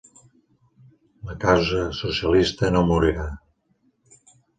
La causa socialista no morirà.